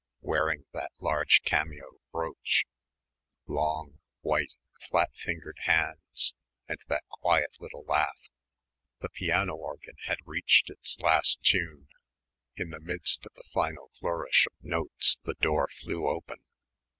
Wearing that large cameo brooch long, white, flat fingered hands and that quiet little laugh.... The piano organ had reached its last tune. In the midst of the final flourish of notes the door flew open.